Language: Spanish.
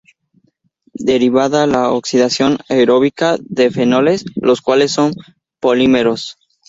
Derivada de la oxidación aeróbica de fenoles, los cuales son polímeros.